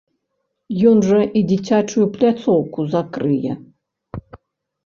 Ён жа і дзіцячую пляцоўку закрые.